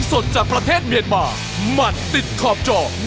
สวัสดีครับ